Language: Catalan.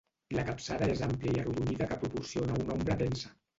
La capçada és àmplia i arrodonida que proporciona una ombra densa.